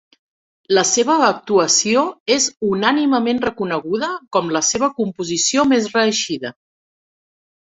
La seva actuació és unànimement reconeguda com la seva composició més reeixida.